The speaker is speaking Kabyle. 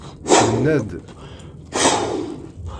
Nenna-d.